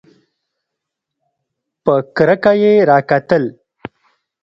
په کرکه یې راکتل !